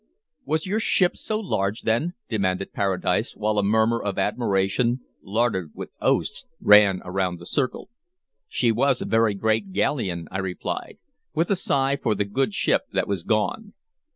"Was your ship so large, then?" demanded Paradise, while a murmur of admiration, larded with oaths, ran around the circle. "She was a very great galleon," I replied, with a sigh for the good ship that was gone.